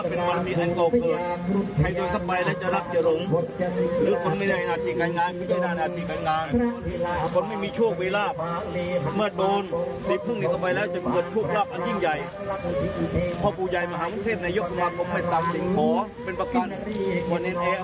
เป็นสิ่งที่ดีที่สุดมหามงคลตี้สุดของเนนแอร์